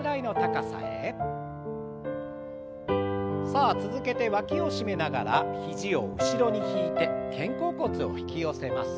さあ続けてわきを締めながら肘を後ろに引いて肩甲骨を引き寄せます。